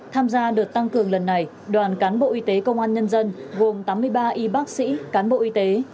tham gia đợt tăng cường lần này đoàn cán bộ y tế công an nhân dân gồm tám mươi ba y bác sĩ cán bộ y tế